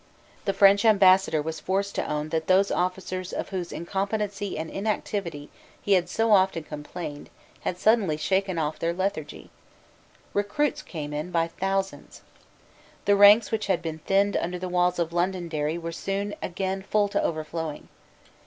The French Ambassador was forced to own that those officers of whose incompetency and inactivity he had so often complained had suddenly shaken off their lethargy. Recruits came in by thousands. The ranks which had been thinned under the walls of Londonderry were soon again full to overflowing.